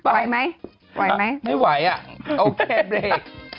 ไหวไหมไม่ไหวโอเคบริก